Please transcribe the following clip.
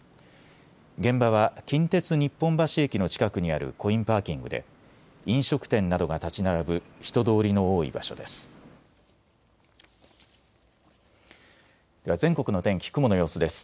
現場は近鉄・日本橋駅の近くにあるコインパーキングで飲食店などが建ち並ぶ人通りの多い場所です。